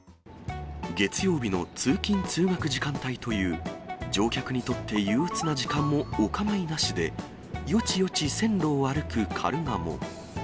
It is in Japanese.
月曜日の通勤・通学時間帯という、乗客にとって憂うつな時間もおかまいなしで、よちよち線路を歩くカルガモ。